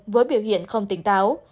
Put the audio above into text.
với biểu hiện không tỉnh táo